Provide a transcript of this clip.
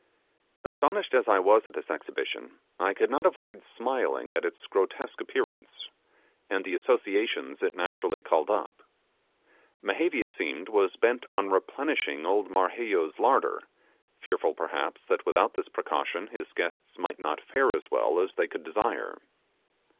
Astonished as I was at this exhibition, I could not avoid smiling at its grotesque appearance, and the associations it naturally called up. Mehevi, it seemed, was bent on replenishing old Marheyo's larder, fearful perhaps that without this precaution his guests might not fare as well as they could desire.